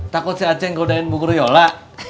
takut si aceng kodain bu guryola